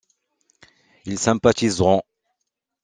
Ils sympathiseront.